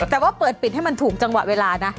แต่ว่าเปิดปิดให้มันถูกจังหวะเวลานะ